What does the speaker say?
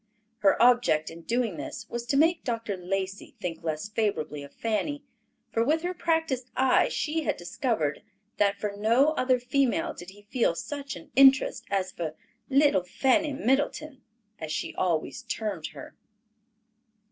Her object in doing this was to make Dr. Lacey think less favorably of Fanny, for with her practised eye she had discovered that for no other female did he feel such an interest as for "Little Fanny Middleton," as she always termed her.